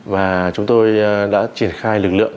và chúng tôi đã triển khai lực lượng